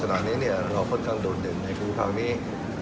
สถานการณ์นี้เราค่อนข้างโดดเด่นในครูภาคนี้